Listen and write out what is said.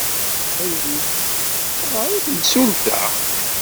Ttxil-k, ɣer i temsulta.